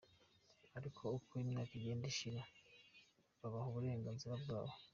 Ariko uko imyaka igenda ishira babaha uburenganzira bwabo.